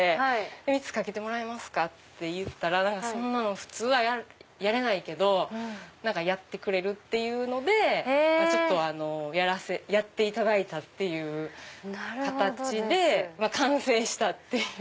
蜜かけてもらえますか？って言ったらそんなの普通はやれないけどやってくれるっていうのでやっていただいたっていう形で完成したっていう。